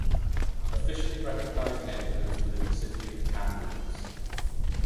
Officially recognised neighbourhoods within the city of Kamloops.